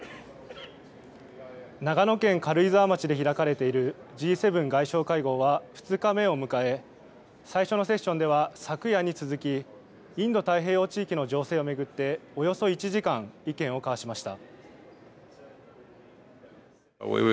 長野県軽井沢町で開かれているＧ７外相会合は２日目を迎え最初のセッションでは昨夜に続きインド太平洋地域の情勢を巡っておよそ１時間意見を交わしました。